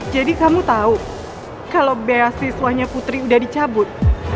jadi kamu tahu kalau beasiswa putri udah dicabut